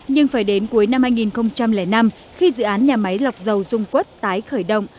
nhưng phải đến cuối năm hai nghìn năm khi dự án nhà máy lọc dầu dung quất tái khởi động